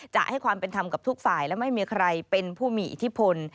จะให้ความเป็นธรรมกับทุกฝ่ายและไม่มีใครเป็นผู้มีอิทธิพล